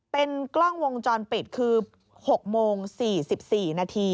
เป็นกล้องวงจรปิดคือ๖โมง๔๔นาที